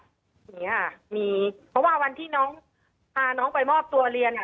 เพราะว่าวันที่น้องพาน้องไปมอบตัวเรียน